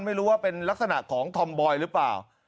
ไม่รู้ว่าเป็นลักษณะของธอมบอยหรือเปล่า